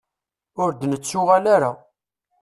Ur d-nettuɣal ara.